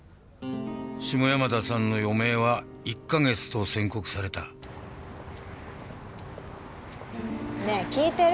下山田さんの余命は１カ月と宣告されたねえ聞いてる？